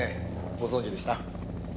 ご存じでした？